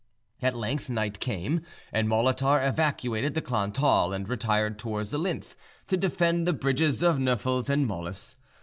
At length night came, and Molitor evacuated the Klon Thal, and retired towards the Linth, to defend the bridges of Noefels and Mollis.